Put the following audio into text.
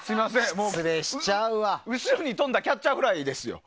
後ろに飛んだキャッチャーフライですよ。